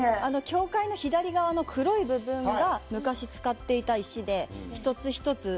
教会の左側の黒い部分が、昔、使っていた石で、一つ一つ